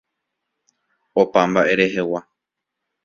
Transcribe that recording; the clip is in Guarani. Opa mba'e rehegua.